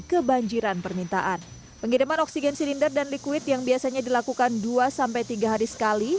kebanjiran permintaan pengiriman oksigen silinder dan liquid yang biasanya dilakukan dua tiga hari sekali